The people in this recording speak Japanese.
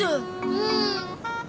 うん。